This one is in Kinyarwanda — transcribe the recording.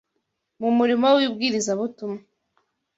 mu murimo w’ibwirizabutumwa